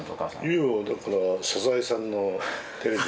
いやだから「サザエさん」のテレビ。